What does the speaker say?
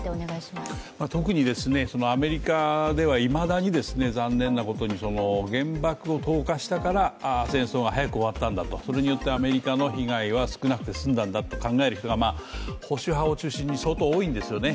特にアメリカではいまだに残念なことに、原爆を投下したから戦争が早く終わったんだと、それによってアメリカの被害は少なくて済んだんだと考える人が保守派を中心に相当多いんですよね。